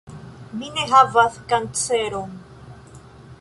Mi ne havas kanceron.